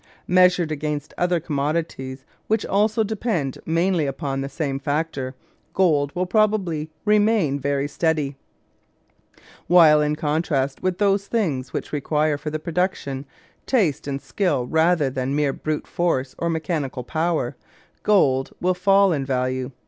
Measured against other commodities which also depend mainly upon the same factor, gold will probably remain very steady; while, in contrast with those things which require for the production taste and skill rather than mere brute force or mechanical power, gold will fall in value.